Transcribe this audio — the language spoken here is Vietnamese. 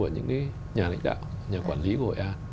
những nhà lãnh đạo nhà quản lý của hội an